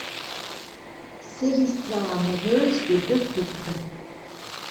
C'est l'histoire amoureuse de deux couples.